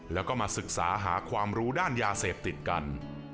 แล้วก็มาศึกษาหาความรู้ด้านยาเสพติดกัน